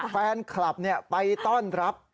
แฟนคลับไปต้อนรับ